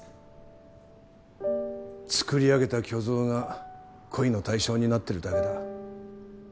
作り上げた虚像が恋の対象になってるだけだ。